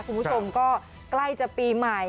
คุณผู้ชมก็ใกล้จะปีใหม่